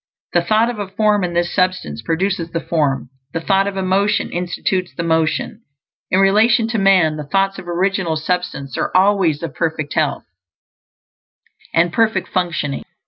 _ _The thought of a form, in this Substance, produces the form; the thought of a motion institutes the motion. In relation to man, the thoughts of Original Substance are always of perfect health and perfect functioning.